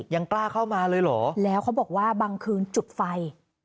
ยังกล้าเข้ามาเลยเหรอแล้วเขาบอกว่าบางคืนจุดไฟ